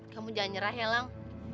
kamu jangan nyerah helang